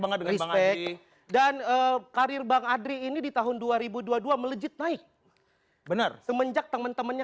banget dengan cantik dan karir bang adri ini di tahun dua ribu dua puluh dua melejit naik bener semenjak temen temennya